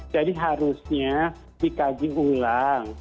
jadi harusnya dikaji ulang